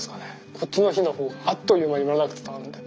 こっちの火の方があっという間にむらなく伝わって。